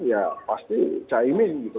ya pasti cahimin gitu